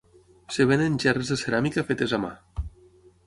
Es ven en gerres de ceràmica fetes a mà.